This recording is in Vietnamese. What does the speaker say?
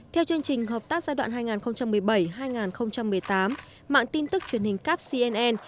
theo chương trình hợp tác giai đoạn hai nghìn một mươi bảy hai nghìn một mươi tám mạng tin tức truyền hình cáp cnn